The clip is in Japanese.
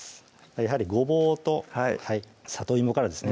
やはりごぼうとさといもからですね